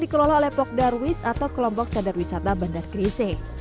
dikelola oleh pogdarwis atau kelompok standar wisata bandar gresik